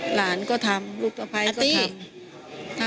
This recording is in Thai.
หลานก็ทำลูกสะพ้ายก็ทำ